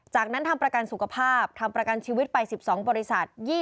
จากนั้นทำประกันสุขภาพทำประกันชีวิตไป๑๒บริษัท